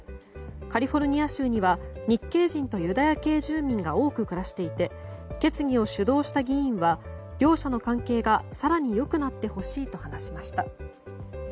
カリフォルニア州には日系人とユダヤ系住民が多く暮らしていて決議を主導した議員は両者の関係が更に良くなってほしいと話しました。